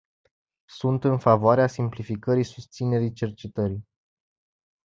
Sunt în favoarea simplificării susținerii cercetării.